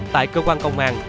tại cơ quan công an